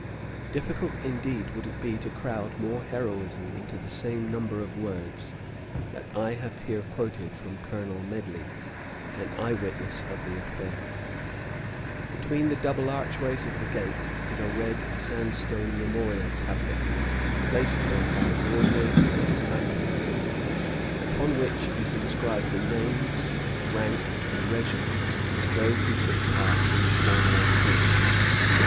Difficult, indeed, would it be to crowd more heroism into the same number of words that I have here quoted from Colonel Medley, an eye witness of the affair. Between the double archways of the gate is a red sandstone memorial tablet, placed there by Lord Napier of Magdala, upon which is inscribed the names, rank, and regiment of those who took part in the forlorn hope.